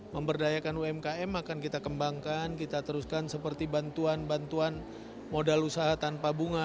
memberdayakan umkm akan kita kembangkan kita teruskan seperti bantuan bantuan modal usaha tanpa bunga